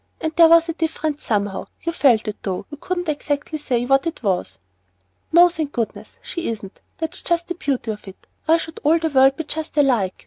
There was a difference somehow, you felt it though you couldn't say exactly what it was." "No, thank goodness she isn't; that's just the beauty of it. Why should all the world be just alike?